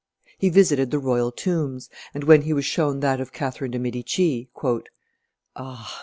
He visited the royal tombs, and when he was shown that of Catherine de' Medici, " Ah!"